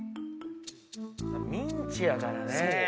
ミンチやからねぇ。